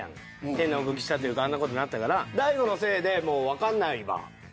変な動きしたというかあんな事になったから「大悟のせいでもうわかんないわ」